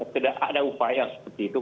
tidak ada upaya seperti itu